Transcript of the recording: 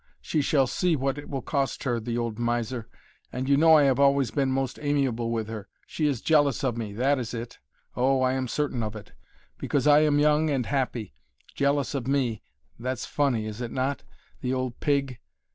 She shall see what it will cost her, the old miser; and you know I have always been most amiable with her. She is jealous of me that is it oh! I am certain of it. Because I am young and happy. Jealous of me! that's funny, is it not? The old pig!